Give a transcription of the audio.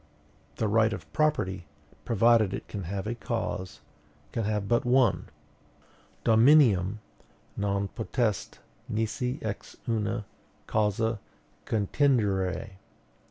The right of property, provided it can have a cause, can have but one Dominium non potest nisi ex una causa contingere.